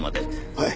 はい。